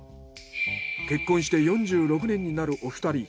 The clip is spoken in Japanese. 結婚して４６年になるお二人。